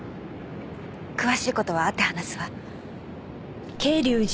詳しい事は会って話すわ。